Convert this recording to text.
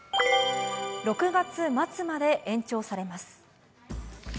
６月末まで延長されます。